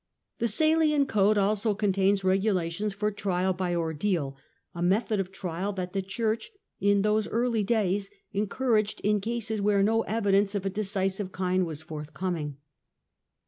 The Salian Code also contains regulations for trial by jrdeal — a method of trial that the Church, in those early lays, encouraged in cases where no evidence of a decisive rind was forthcoming.